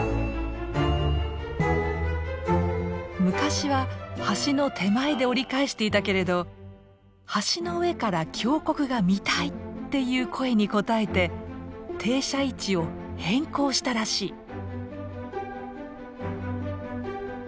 昔は橋の手前で折り返していたけれど「橋の上から峡谷が見たい！」っていう声に応えて停車位置を変更したらしい。